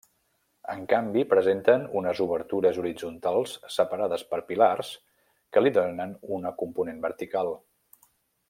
En canvi presenten unes obertures horitzontals separades per pilars que li donen una component vertical.